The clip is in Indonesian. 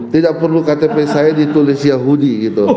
tidak perlu ktp saya ditulis yahudi